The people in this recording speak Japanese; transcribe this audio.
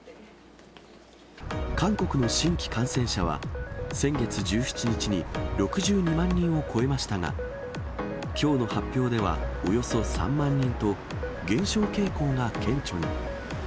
韓国の新規感染者は、先月１７日に６２万人を超えましたが、きょうの発表ではおよそ３万人と、減少傾向が顕著に。